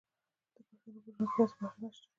د پښتنو په ژوند کې داسې برخه نشته.